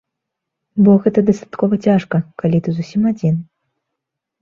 Бо гэта дастаткова цяжка, калі ты зусім адзін.